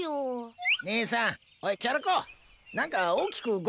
ねえさんおいキャラ公！